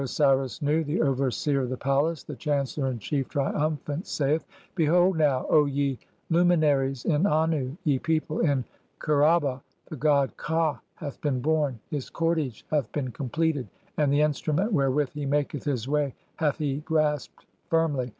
The Osiris Nu, the overseer of the palace, the chancellor in chief, triumphant, saith :— (2) "Behold now, O ye luminaries in Annu, ye people in Kher "aba, the god Kha (?) hath been born; his cordage (3) hath been "completed, and the instrument wherewith he maketh his way "hath [he] grasped firmly.